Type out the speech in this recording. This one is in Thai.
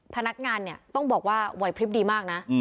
พนักงานเนี่ยต้องบอกว่าไหวพลิบดีมากนะ